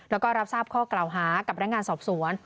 แล้วก็รับทราบข้อกล่าวหากับพนักงานสอบสวน